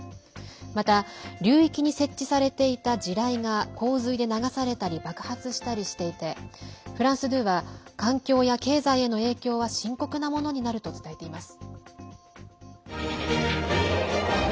また流域に設置されていた地雷が洪水で流されたり爆発したりしていてフランス２は環境や経済への影響は深刻なものになると伝えています。